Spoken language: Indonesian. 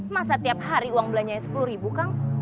masa tiap hari uang belanjanya sepuluh ribu kang